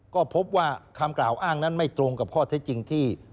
ก็พบว่าคำกล่าวอ้างนั้นไม่ตรงกับข้อเท็จจริงที่